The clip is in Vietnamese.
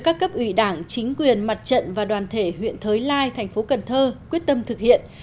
các cấp ủy đảng chính quyền mặt trận và đoàn thể huyện thới lai thành phố cần thơ quyết tâm thực hiện